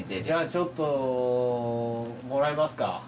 じゃあちょっともらいますか。